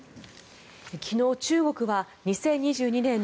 昨日、中国は２０２２年の